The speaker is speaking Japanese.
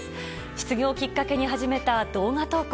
失業をきっかけに始めた動画投稿。